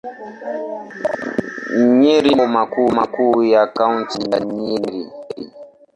Nyeri ni makao makuu ya Kaunti ya Nyeri.